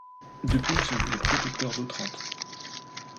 Depuis ils sont les protecteurs d'Otrante.